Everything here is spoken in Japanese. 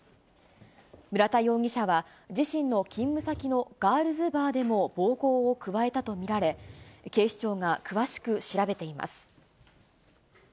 村田容疑者は、自身の勤務先のガールズバーでも暴行を加えたと見られ、警視庁が詳しく調べています。